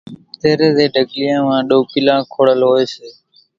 تيرين زين ڍڳليان مان ڏوڪيلان کوڙل ھوئي سي